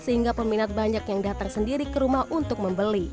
sehingga peminat banyak yang datang sendiri ke rumah untuk membeli